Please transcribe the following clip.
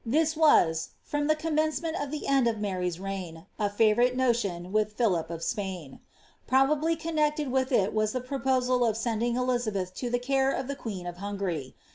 This was, from the commencement to the end of Mary's . fiivourite notion with Philip of Spain. Probably connected with the proposal of sending Elizabeth to the care of the queen of y.